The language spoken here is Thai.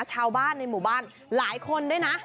ชาวบ้านในหมู่บ้านหลายคนด้วยนะ